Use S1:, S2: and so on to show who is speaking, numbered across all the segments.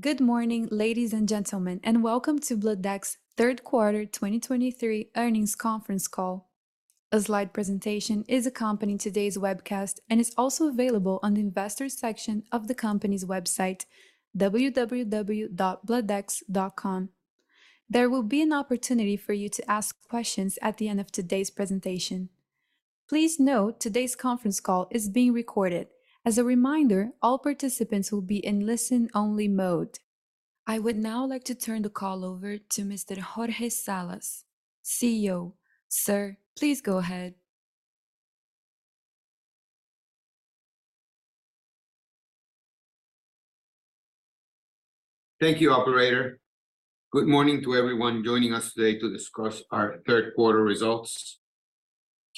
S1: Good morning, ladies and gentlemen, and welcome to Bladex's Third Quarter 2023 Earnings Conference Call. A slide presentation is accompanying today's webcast and is also available on the investor section of the company's website, www.bladex.com. There will be an opportunity for you to ask questions at the end of today's presentation. Please note, today's conference call is being recorded. As a reminder, all participants will be in listen-only mode. I would now like to turn the call over to Mr. Jorge Salas, CEO. Sir, please go ahead.
S2: Thank you, operator. Good morning to everyone joining us today to discuss our Third Quarter Results.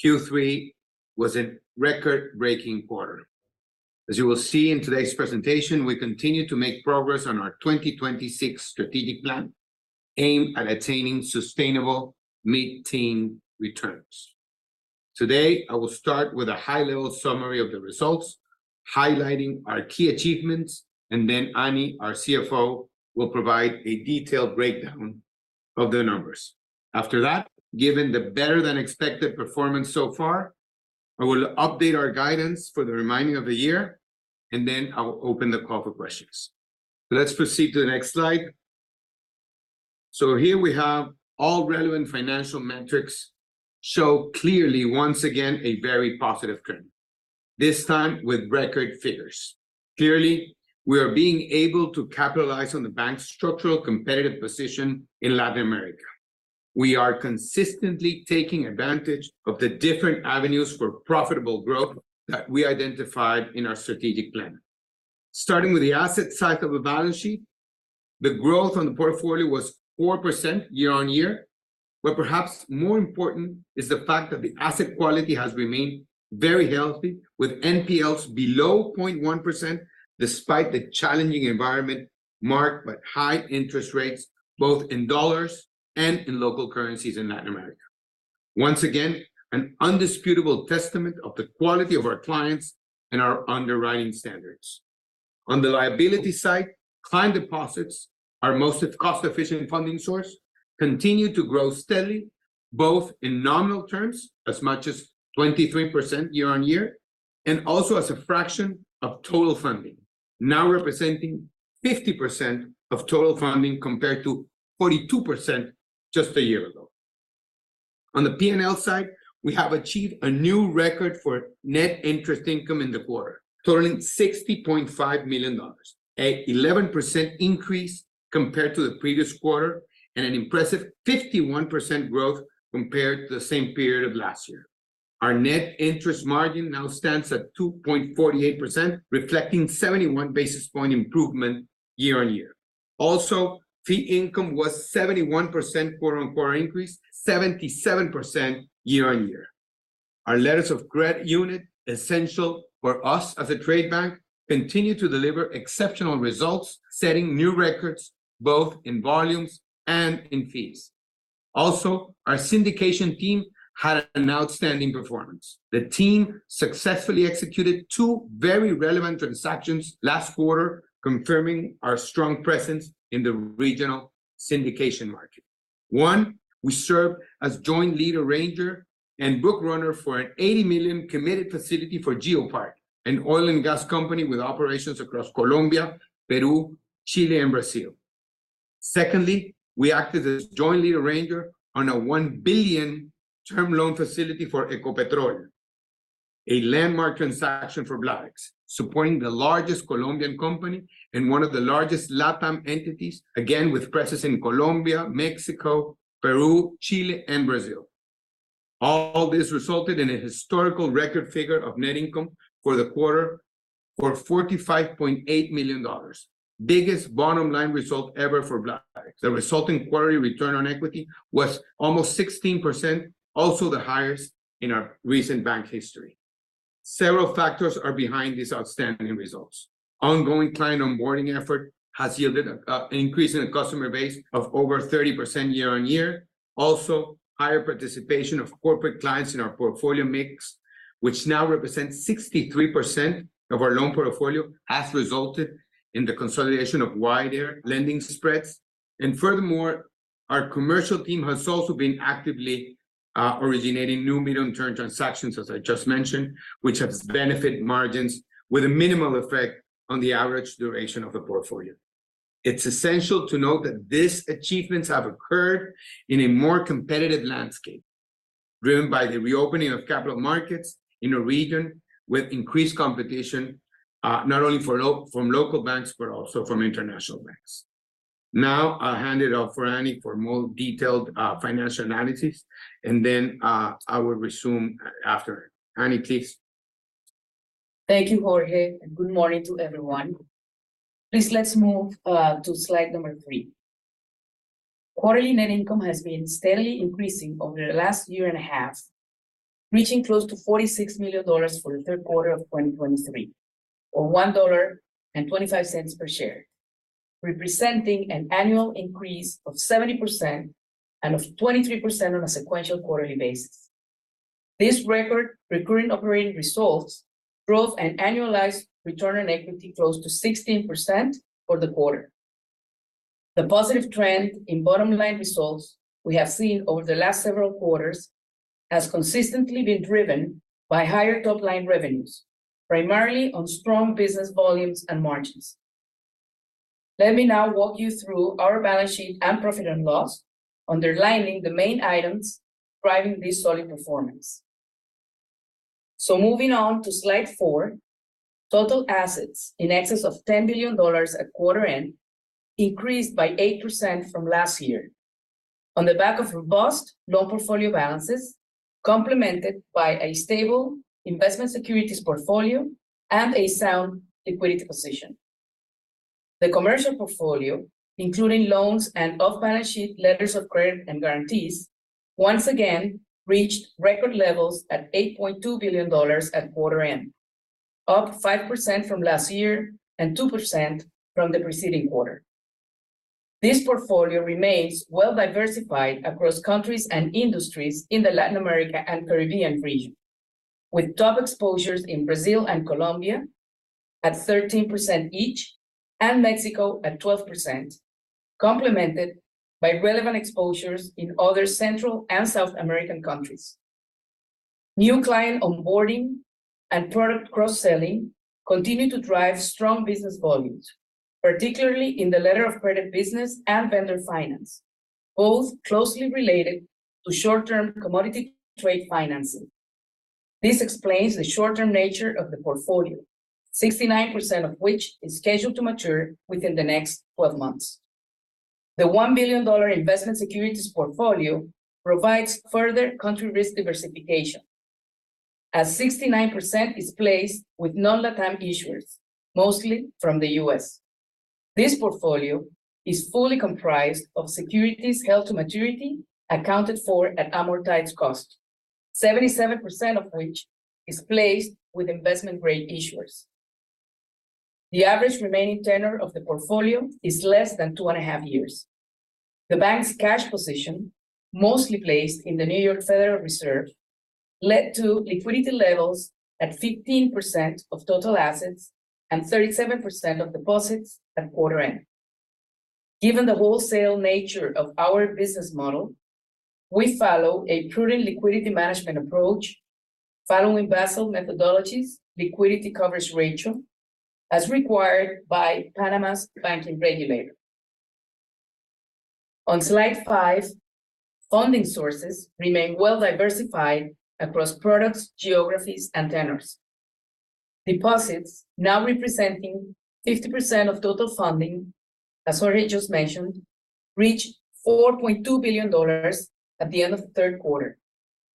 S2: Q3 was a record-breaking quarter. As you will see in today's presentation, we continue to make progress on our 2026 Strategic Plan aimed at attaining sustainable mid-teen returns. Today, I will start with a high-level summary of the results, highlighting our key achievements, and then Annie, our CFO, will provide a detailed breakdown of the numbers. After that, given the better-than-expected performance so far, I will update our guidance for the remaining of the year, and then I will open the call for questions. Let's proceed to the next slide. Here we have all relevant financial metrics show clearly, once again, a very positive trend, this time with record figures. Clearly, we are being able to capitalize on the bank's structural competitive position in Latin America. We are consistently taking advantage of the different avenues for profitable growth that we identified in our strategic plan. Starting with the asset side of the balance sheet, the growth on the portfolio was 4% year-on-year. Perhaps more important is the fact that the asset quality has remained very healthy, with NPLs below 0.1%, despite the challenging environment marked by high interest rates, both in dollars and in local currencies in Latin America. Once again, an undisputable testament of the quality of our clients and our underwriting standards. On the liability side, client deposits, our most cost-efficient funding source, continue to grow steadily, both in nominal terms, as much as 23% year-on-year, and also as a fraction of total funding, now representing 50% of total funding, compared to 42% just a year ago. On the P&L side, we have achieved a new record for net interest income in the quarter, totaling $60.5 million, an 11% increase compared to the previous quarter, and an impressive 51% growth compared to the same period of last year. Our net interest margin now stands at 2.48%, reflecting 71 basis point improvement year-on-year. Also, fee income was 71% quarter-on-quarter increase, 77% year-on-year. Our letters of credit unit, essential for us as a trade bank, continue to deliver exceptional results, setting new records both in volumes and in fees. Also, our syndication team had an outstanding performance. The team successfully executed two very relevant transactions last quarter, confirming our strong presence in the regional syndication market. One, we served as joint lead arranger and bookrunner for an $80 million committed facility for GeoPark, an oil and gas company with operations across Colombia, Peru, Chile, and Brazil. Secondly, we acted as joint lead arranger on a $1 billion term loan facility for Ecopetrol, a landmark transaction for Bladex, supporting the largest Colombian company and one of the largest Latam entities, again, with presence in Colombia, Mexico, Peru, Chile, and Brazil. All this resulted in a historical record figure of net income for the quarter for $45.8 million, biggest bottom line result ever for Bladex. The resulting quarter return on equity was almost 16%, also the highest in our recent bank history. Several factors are behind these outstanding results. Ongoing client onboarding effort has yielded an increase in the customer base of over 30% year-on-year. Also, higher participation of corporate clients in our portfolio mix, which now represents 63% of our loan portfolio, has resulted in the consolidation of wider lending spreads. Furthermore, our commercial team has also been actively originating new medium-term transactions, as I just mentioned, which have benefit margins with a minimal effect on the average duration of the portfolio. It's essential to note that these achievements have occurred in a more competitive landscape, driven by the reopening of capital markets in a region with increased competition, not only from local banks, but also from international banks. Now, I'll hand it off to Annie for more detailed financial analysis, and then I will resume after. Annie, please.
S3: Thank you, Jorge, and good morning to everyone. Please, let's move to slide number three. Quarterly net income has been steadily increasing over the last year and a half, reaching close to $46 million for the third quarter of 2023, or $1.25 per share, representing an annual increase of 70% and of 23% on a sequential quarterly basis. This record recurring operating results drove an annualized return on equity close to 16% for the quarter. The positive trend in bottom-line results we have seen over the last several quarters has consistently been driven by higher top-line revenues, primarily on strong business volumes and margins. Let me now walk you through our balance sheet and profit and loss, underlining the main items driving this solid performance. Moving on to slide 4, total assets in excess of $10 billion at quarter end increased by 8% from last year, on the back of robust loan portfolio balances, complemented by a stable investment securities portfolio and a sound liquidity position. The commercial portfolio, including loans and off-balance sheet letters of credit and guarantees, once again reached record levels at $8.2 billion at quarter end, up 5% from last year and 2% from the preceding quarter. This portfolio remains well-diversified across countries and industries in the Latin America and Caribbean region, with top exposures in Brazil and Colombia at 13% each, and Mexico at 12%, complemented by relevant exposures in other Central and South American countries. New client onboarding and product cross-selling continue to drive strong business volumes, particularly in the letter of credit business and vendor finance, both closely related to short-term commodity trade financing. This explains the short-term nature of the portfolio, 69% of which is scheduled to mature within the next 12 months. The $1 billion investment securities portfolio provides further country risk diversification, as 69% is placed with non-LATAM issuers, mostly from the U.S. This portfolio is fully comprised of securities held to maturity, accounted for at amortized cost, 77% of which is placed with investment-grade issuers. The average remaining tenor of the portfolio is less than 2.5 years. The bank's cash position, mostly placed in the New York Federal Reserve, led to liquidity levels at 15% of total assets and 37% of deposits at quarter end. Given the wholesale nature of our business model, we follow a prudent liquidity management approach, following Basel methodologies, liquidity coverage ratio, as required by Panama's banking regulator. On slide five, funding sources remain well-diversified across products, geographies, and tenors. Deposits, now representing 50% of total funding, as Jorge just mentioned, reached $4.2 billion at the end of the third quarter,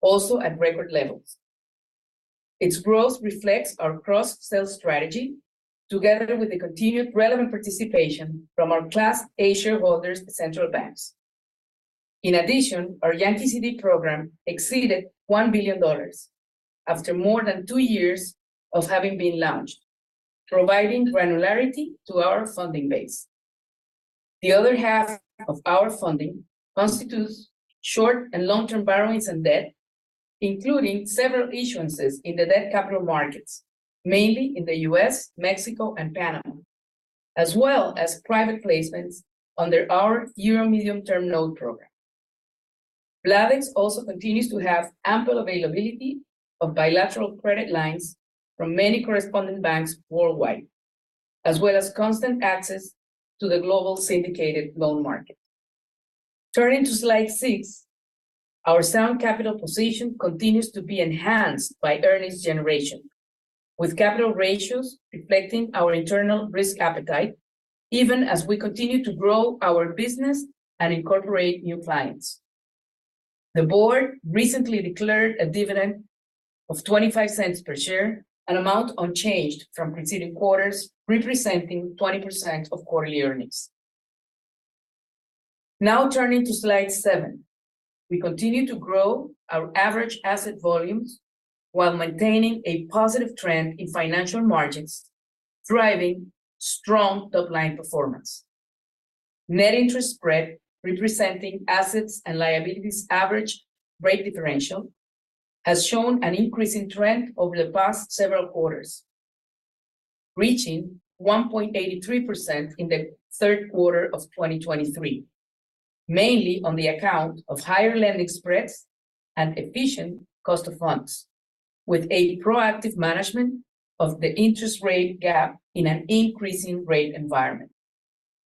S3: also at record levels. Its growth reflects our cross-sell strategy, together with the continued relevant participation from our Class A shareholders, the central banks. In addition, our Yankee CD Program exceeded $1 billion after more than two years of having been launched, providing granularity to our funding base. The other half of our funding constitutes short- and long-term borrowings and debt, including several issuances in the debt capital markets, mainly in the U.S., Mexico, and Panama, as well as private placements under our Euro Medium-Term Note Program. Bladex also continues to have ample availability of bilateral credit lines from many correspondent banks worldwide, as well as constant access to the global syndicated loan market. Turning to slide six, our sound capital position continues to be enhanced by earnings generation, with capital ratios reflecting our internal risk appetite, even as we continue to grow our business and incorporate new clients. The Board recently declared a dividend of $0.25 per share, an amount unchanged from preceding quarters, representing 20% of quarterly earnings. Now turning to slide seven. We continue to grow our average asset volumes while maintaining a positive trend in financial margins, driving strong top-line performance. Net interest spread, representing assets and liabilities average rate differential, has shown an increasing trend over the past several quarters, reaching 1.83% in the third quarter of 2023, mainly on the account of higher lending spreads and efficient cost of funds, with a proactive management of the interest rate gap in an increasing rate environment.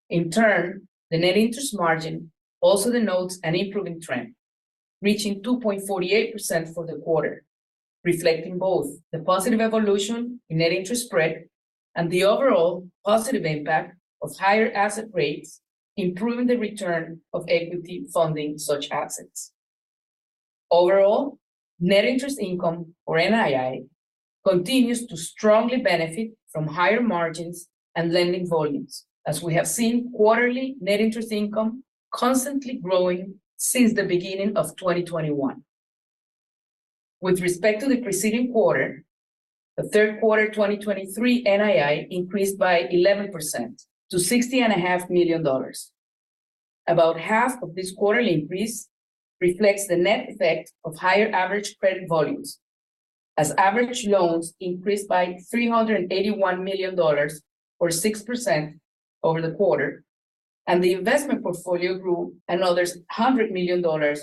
S3: In turn, the net interest margin also denotes an improving trend, reaching 2.48% for the quarter, reflecting both the positive evolution in net interest spread and the overall positive impact of higher asset rates, improving the return of equity funding such assets. Overall, net interest income, or NII, continues to strongly benefit from higher margins and lending volumes, as we have seen quarterly net interest income constantly growing since the beginning of 2021. With respect to the preceding quarter, the third quarter 2023 NII increased by 11% to $60.5 million. About half of this quarterly increase reflects the net effect of higher average credit volumes, as average loans increased by $381 million, or 6% over the quarter, and the investment portfolio grew another $100 million,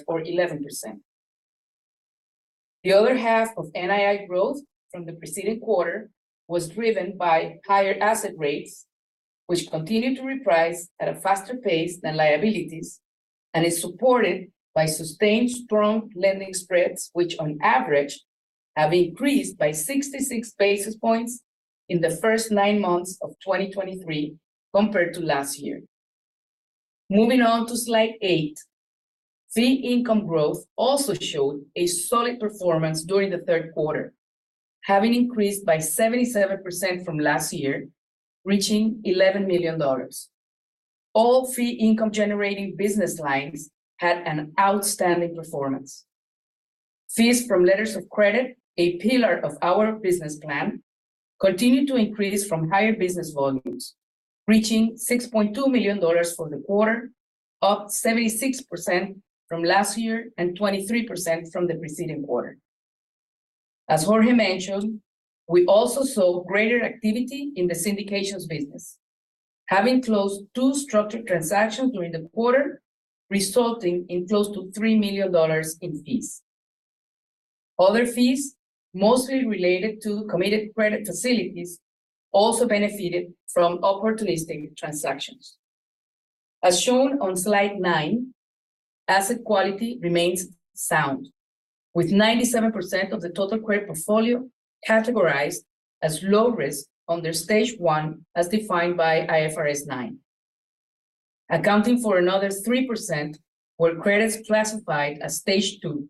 S3: or 11%. The other half of NII growth from the preceding quarter was driven by higher asset rates, which continued to reprice at a faster pace than liabilities, and is supported by sustained strong lending spreads, which on average, have increased by 66 basis points in the first nine months of 2023 compared to last year. Moving on to slide eight, fee income growth also showed a solid performance during the third quarter, having increased by 77% from last year, reaching $11 million. All fee income-generating business lines had an outstanding performance. Fees from letters of credit, a pillar of our business plan, continued to increase from higher business volumes, reaching $6.2 million for the quarter, up 76% from last year and 23% from the preceding quarter. As Jorge mentioned, we also saw greater activity in the syndications business, having closed two structured transactions during the quarter, resulting in close to $3 million in fees. Other fees, mostly related to committed credit facilities, also benefited from opportunistic transactions. As shown on slide nine, asset quality remains sound, with 97% of the total credit portfolio categorized as low risk under Stage 1, as defined by IFRS 9. Accounting for another 3% were credits classified as Stage 2,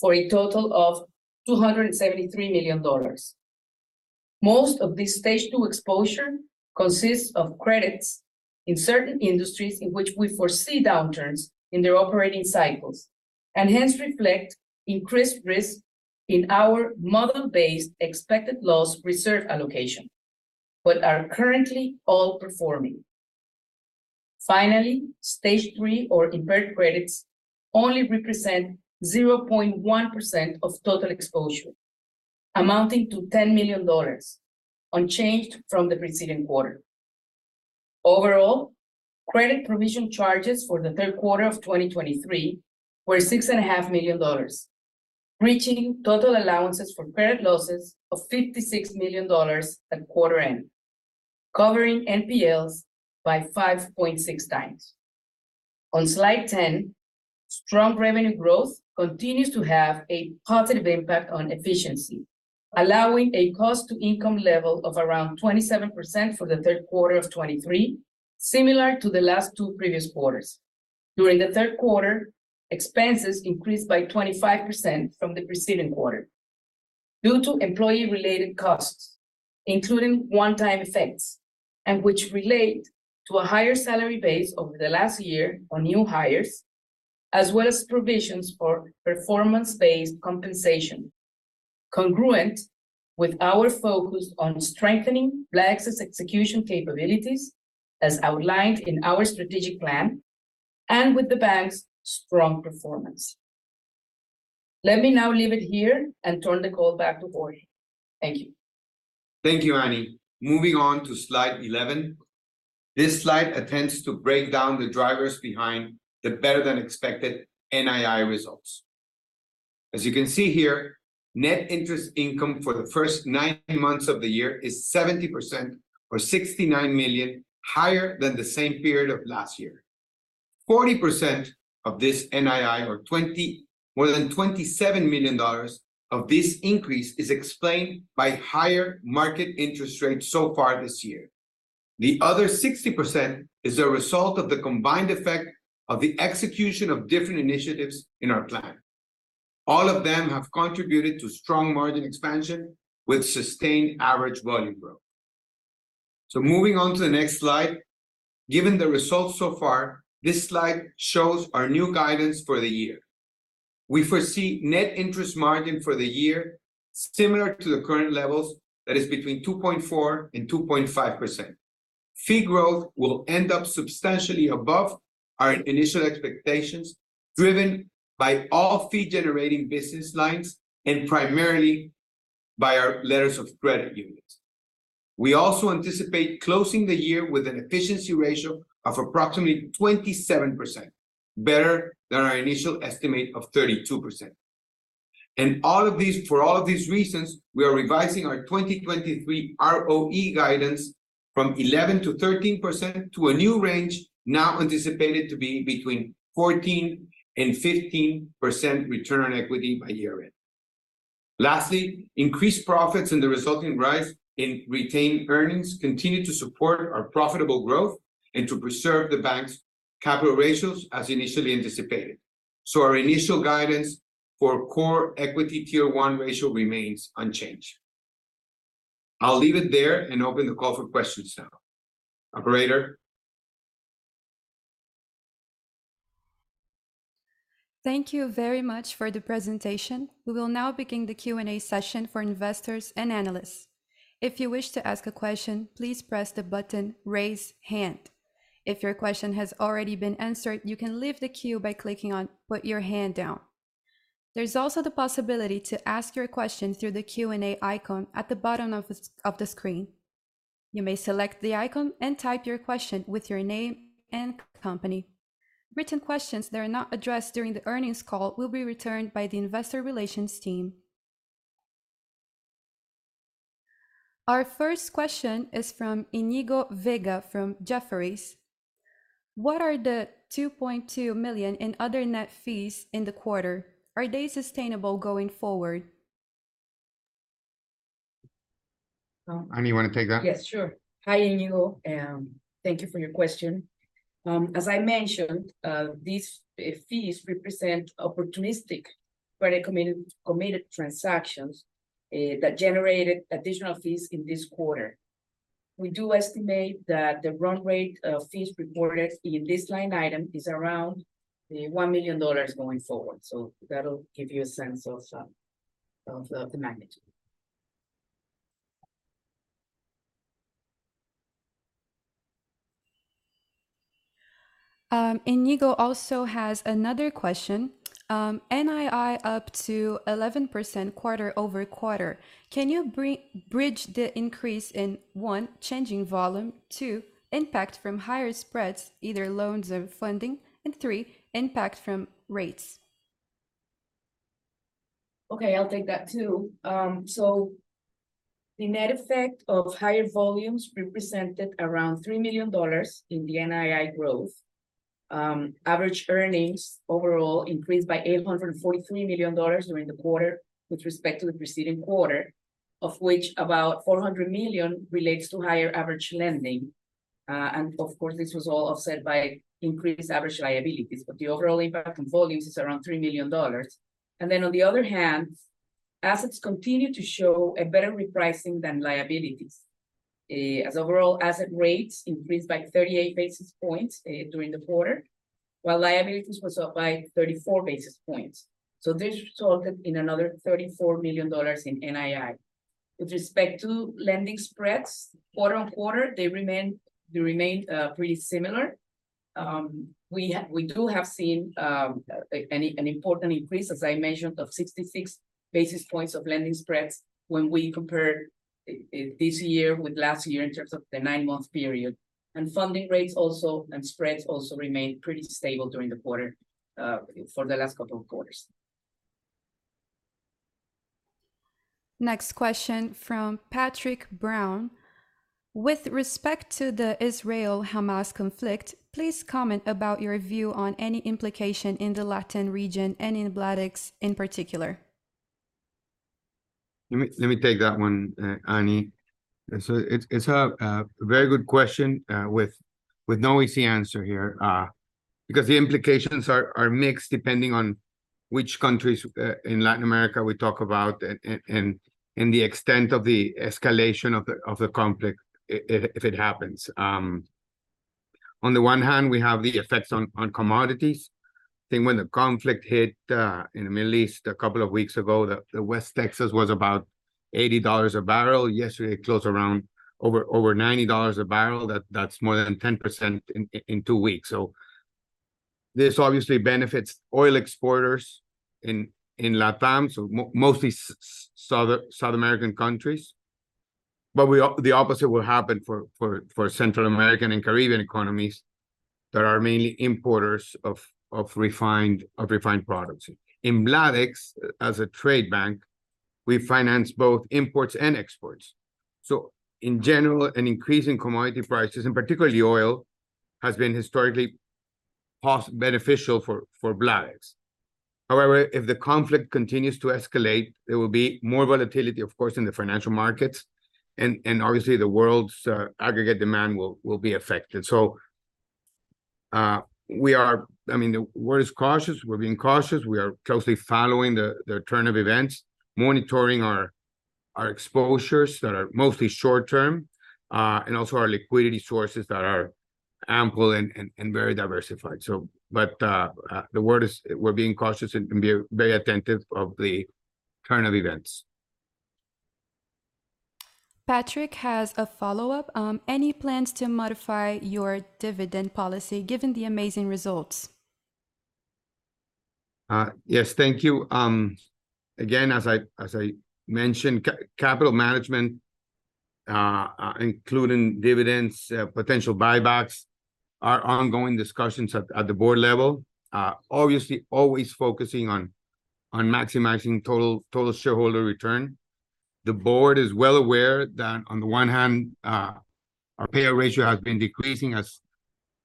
S3: for a total of $273 million. Most of this Stage 2 exposure consists of credits in certain industries in which we foresee downturns in their operating cycles, and hence reflect increased risk in our model-based expected loss reserve allocation, but are currently all performing. Finally, Stage 3, or impaired credits, only represent 0.1% of total exposure, amounting to $10 million, unchanged from the preceding quarter. Overall, credit provision charges for the third quarter of 2023 were $6.5 million, reaching total allowances for credit losses of $56 million at quarter end, covering NPLs by 5.6x. On slide 10, strong revenue growth continues to have a positive impact on efficiency, allowing a cost-to-income level of around 27% for the third quarter of 2023, similar to the last two previous quarters. During the third quarter, expenses increased by 25% from the preceding quarter due to employee-related costs, including one-time effects, and which relate to a higher salary base over the last year on new hires, as well as provisions for performance-based compensation, congruent with our focus on strengthening Bladex's execution capabilities as outlined in our strategic plan and with the bank's strong performance. Let me now leave it here and turn the call back to Jorge. Thank you.
S2: Thank you, Annie. Moving on to slide 11. This slide attempts to break down the drivers behind the better-than-expected NII results. As you can see here, net interest income for the first nine months of the year is 70%, or $69 million, higher than the same period of last year. 40% of this NII, or more than $27 million of this increase is explained by higher market interest rates so far this year. The other 60% is a result of the combined effect of the execution of different initiatives in our plan. All of them have contributed to strong margin expansion with sustained average volume growth. Moving on to the next slide, given the results so far, this slide shows our new guidance for the year. We foresee net interest margin for the year similar to the current levels, that is between 2.4% and 2.5%. Fee growth will end up substantially above our initial expectations, driven by all fee-generating business lines and primarily by our letters of credit units. We also anticipate closing the year with an efficiency ratio of approximately 27%, better than our initial estimate of 32%. For all of these reasons, we are revising our 2023 ROE guidance from 11%-13% to a new range, now anticipated to be between 14% and 15% return on equity by year-end. Lastly, increased profits and the resulting rise in retained earnings continue to support our profitable growth and to preserve the bank's capital ratios as initially anticipated. Our initial guidance for Core Equity Tier 1 ratio remains unchanged. I'll leave it there and open the call for questions now. Operator?
S1: Thank you very much for the presentation. We will now begin the Q&A session for investors and analysts. If you wish to ask a question, please press the button Raise Hand. If your question has already been answered, you can leave the queue by clicking on Put Your Hand Down. There's also the possibility to ask your question through the Q&A icon at the bottom of the screen. You may select the icon and type your question with your name and company. Written questions that are not addressed during the earnings call will be returned by the Investor Relations team. Our first question is from Iñigo Vega from Jefferies: What are the $2.2 million in other net fees in the quarter? Are they sustainable going forward?
S2: Annie, you wanna take that?
S3: Yes, sure. Hi, Iñigo, thank you for your question. As I mentioned, these fees represent opportunistic credit committed transactions that generated additional fees in this quarter. We do estimate that the run rate of fees reported in this line item is around $1 million going forward, so that'll give you a sense also of the magnitude.
S1: Iñigo also has another question. NII up to 11% quarter-over-quarter, can you bridge the increase in, 1, changing volume, 2, impact from higher spreads, either loans or funding, and 3, impact from rates?
S3: Okay, I'll take that, too. The net effect of higher volumes represented around $3 million in the NII growth. Average earnings overall increased by $843 million during the quarter with respect to the preceding quarter, of which about $400 million relates to higher average lending. Of course, this was all offset by increased average liabilities, but the overall impact on volumes is around $3 million. On the other hand, assets continue to show a better repricing than liabilities as overall asset rates increased by 38 basis points during the quarter, while liabilities was up by 34 basis points. This resulted in another $34 million in NII. With respect to lending spreads, quarter-on-quarter, they remained pretty similar. We do have seen an important increase, as I mentioned, of 66 basis points of lending spreads when we compare this year with last year in terms of the nine-month period. Funding rates also and spreads also remained pretty stable during the quarter for the last couple of quarters.
S1: Next question from Patrick Brown. With respect to the Israel-Hamas conflict, please comment about your view on any implication in the Latin region and in Bladex in particular.
S2: Let me take that one, Annie. It's a very good question with no easy answer here because the implications are mixed, depending on which countries in Latin America we talk about and the extent of the escalation of the conflict if it happens. On the one hand, we have the effects on commodities. I think when the conflict hit in the Middle East a couple of weeks ago, the West Texas was about $80 a barrel. Yesterday, it closed around over $90 a barrel. That's more than 10% in two weeks. This obviously benefits oil exporters in LatAm, mostly South American countries. The opposite will happen for Central American and Caribbean economies that are mainly importers of refined products. In Bladex, as a trade bank, we finance both imports and exports. In general, an increase in commodity prices, and particularly oil, has been historically beneficial for Bladex. However, if the conflict continues to escalate, there will be more volatility, of course, in the financial markets, and obviously, the world's aggregate demand will be affected. We are. I mean, the word is cautious. We're being cautious. We are closely following the turn of events, monitoring our exposures that are mostly short-term and also our liquidity sources that are ample and very diversified. The word is we're being cautious and be very attentive of the turn of events.
S1: Patrick has a follow-up. Any plans to modify your dividend policy, given the amazing results?
S2: Yes, thank you. Again, as I mentioned, capital management, including dividends, potential buybacks, are ongoing discussions at the board level, obviously, always focusing on maximizing total shareholder return. The board is well aware that, on the one hand, our payout ratio has been decreasing as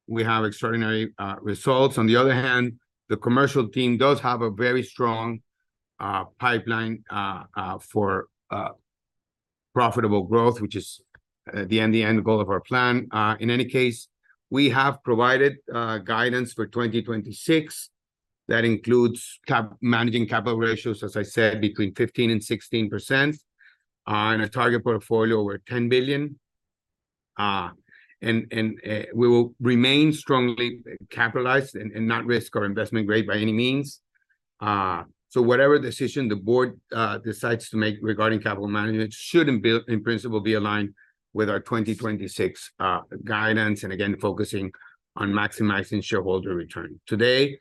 S2: we have extraordinary results. On the other hand, the commercial team does have a very strong pipeline for profitable growth, which is the end-to-end goal of our plan. In any case, we have provided guidance for 2026. That includes managing capital ratios, as I said, between 15% and 16% and a target portfolio over $10 billion. We will remain strongly capitalized and not risk our investment grade by any means. Whatever decision the Board decides to make regarding capital management should, in principle, be aligned with our 2026 guidance, and again, focusing on maximizing shareholder return. Today,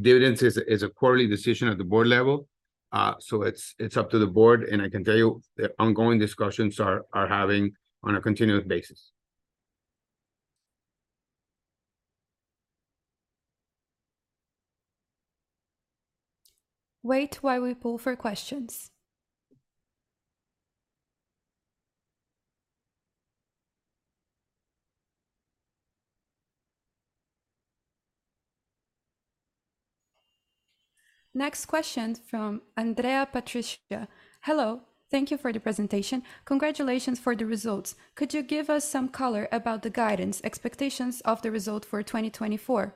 S2: dividends is a quarterly decision at the Board level. It's up to the Board, and I can tell you the ongoing discussions are having on a continuous basis.
S1: Wait while we poll for questions. Next question from Andrea Patricia. Hello, thank you for the presentation. Congratulations for the results. Could you give us some color about the guidance, expectations of the results for 2024?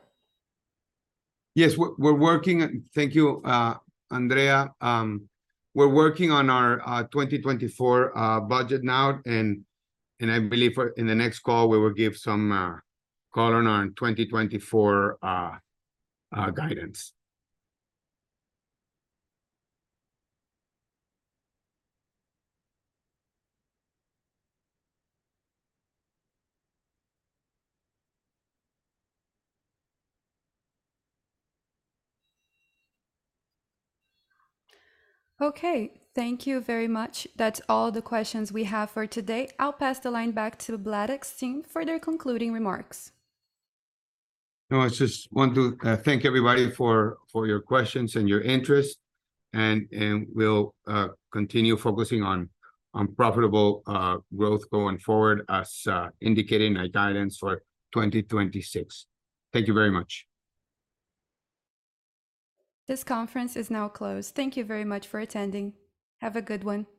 S2: Yes, we're working. Thank you, Andrea. We're working on our 2024 budget now, and I believe in the next call, we will give some color on our 2024 guidance.
S1: Okay. Thank you very much. That's all the questions we have for today. I'll pass the line back to Bladex's team for their concluding remarks.
S2: No, I just want to thank everybody for your questions and your interest, and we'll continue focusing on profitable growth going forward, as indicated in our guidance for 2026. Thank you very much.
S1: This conference is now closed. Thank you very much for attending. Have a good one.